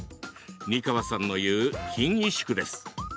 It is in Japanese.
二川さんの言う筋萎縮です。